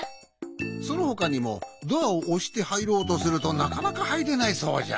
そのほかにもドアをおしてはいろうとするとなかなかはいれないそうじゃ。